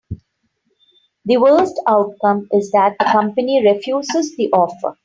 The worst outcome is that the company refuses the offer.